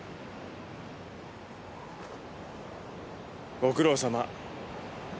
ご苦労さま。